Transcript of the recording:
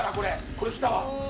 これきたわ。